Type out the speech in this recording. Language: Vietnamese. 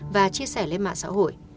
và chia sẻ lên mạng xã hội